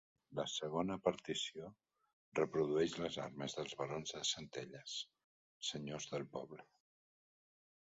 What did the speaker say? La segona partició reprodueix les armes dels barons de Centelles, senyors del poble.